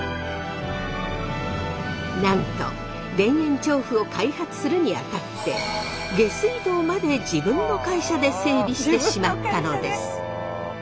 なんと田園調布を開発するにあたって下水道まで自分の会社で整備してしまったのです。